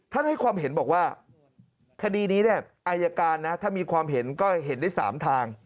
ให้ความเห็นบอกว่าคดีนี้เนี่ยอายการนะถ้ามีความเห็นก็เห็นได้๓ทาง